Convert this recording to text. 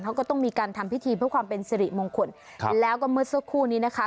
เขาก็ต้องมีการทำพิธีเพื่อความเป็นสิริมงคลครับแล้วก็เมื่อสักครู่นี้นะคะ